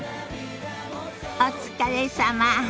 お疲れさま。